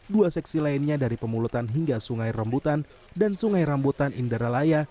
dua seksi lainnya dari pemulutan hingga sungai rambutan dan sungai rambutan inderalaya